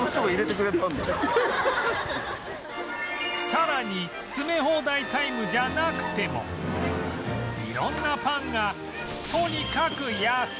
さらに詰め放題タイムじゃなくても色んなパンがとにかく安い！